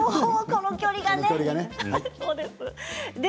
この距離がね。